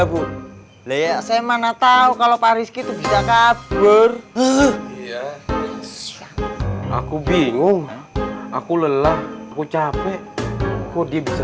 bu leya saya mana tahu kalau pak rizky itu bisa kabur ya aku bingung aku lelah aku capek ku dia bisa